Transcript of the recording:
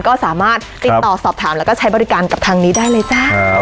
ก็สามารถติดต่อสอบถามแล้วก็ใช้บริการกับทางนี้ได้เลยจ้า